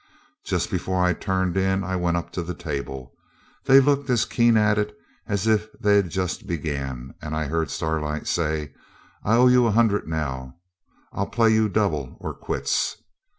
Just before I turned in I went up to the table. They looked as keen at it as if they'd just began, and I heard Starlight say, 'I owe you a hundred now. I'll play you double or quits.'